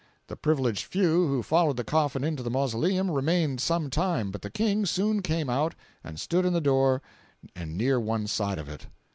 The privileged few who followed the coffin into the mausoleum remained sometime, but the King soon came out and stood in the door and near one side of it.